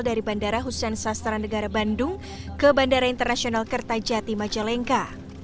dari bandara hussein sastra negara bandung ke bandara internasional kertajati majalengka